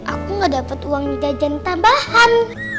aku gak dapat uang jajan tambahan